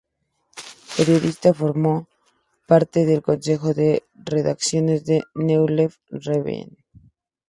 Periodista, formó parte del consejo de redacción de "New Left Review".